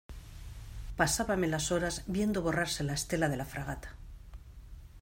pasábame las horas viendo borrarse la estela de la fragata.